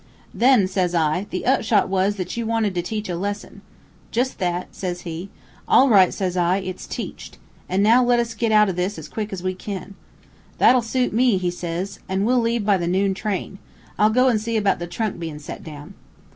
"'Then,' says I, 'the upshot was that you wanted to teach a lesson.' "'Jus' that,' says he. "'All right,' says I; 'it's teached. An' now let's get out of this as quick as we kin.' "'That'll suit me,' he says, 'an' we'll leave by the noon train. I'll go an' see about the trunk bein' sent down.'